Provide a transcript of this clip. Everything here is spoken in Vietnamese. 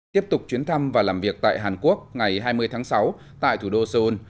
tiếp tục chuyến thăm và làm việc tại hàn quốc ngày hai mươi tháng sáu tại thủ đô seoul